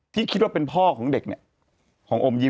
ที่คิดว่าเป็นพ่อของเด็กเนี่ยของอมยิ้